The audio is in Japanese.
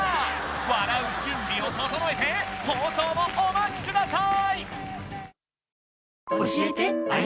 笑う準備を整えて放送をお待ちください！